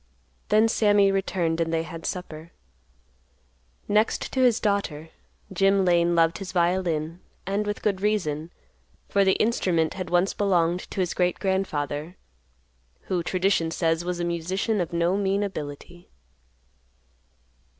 Then Sammy returned and they had supper. Next to his daughter, Jim Lane loved his violin, and with good reason, for the instrument had once belonged to his great grandfather, who, tradition says, was a musician of no mean ability.